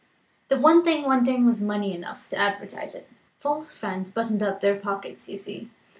The one thing wanting was money enough to advertise it. False friends buttoned up their pockets. You see?"